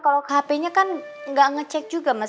kalau ke hp nya kan enggak ada yang ngingetin reva